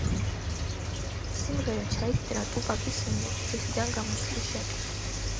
სიმღერა ჩაიწერა ტუპაკის მიერ, ციხიდან გამოსვლის შემდეგ.